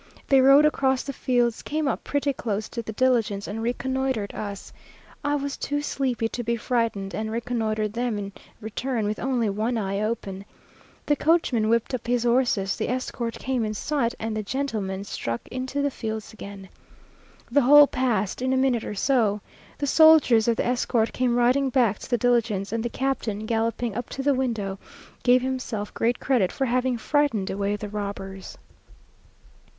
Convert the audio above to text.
They rode across the fields, came up pretty close to the diligence, and reconnoitred us. I was too sleepy to be frightened, and reconnoitred them in return with only one eye open. The coachman whipped up his horses, the escort came in sight, and the gentlemen struck into the fields again. The whole passed in a minute or two. The soldiers of the escort came riding back to the diligence; and the captain, galloping up to the window, gave himself great credit for having "frightened away the robbers."